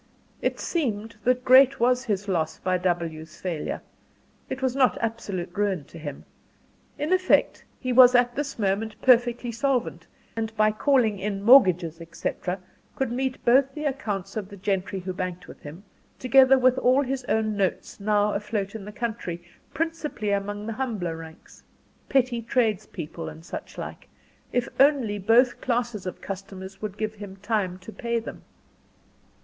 It seemed that great as was his loss by W 's failure, it was not absolute ruin to him. In effect, he was at this moment perfectly solvent, and by calling in mortgages, etc., could meet both the accounts of the gentry who banked with him, together with all his own notes now afloat in the country, principally among the humbler ranks, petty tradespeople, and such like, if only both classes of customers would give him time to pay them.